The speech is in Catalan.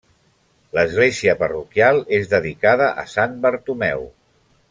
L'església parroquial és dedicada a Sant Bartomeu.